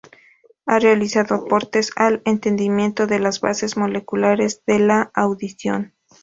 Ha realizado aportes al entendimiento de las bases moleculares de la audición.